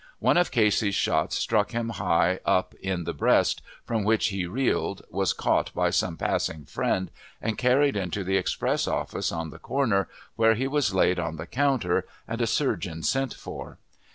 One of Casey's shots struck him high up in the breast, from which he reeled, was caught by some passing friend, and carried into the express office on the corner, where he was laid on the counter; and a surgeon sent for.